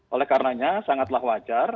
oleh karenanya sangatlah wajar